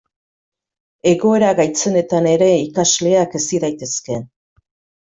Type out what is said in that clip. Egoera gaitzenetan ere ikasleak hezi daitezke.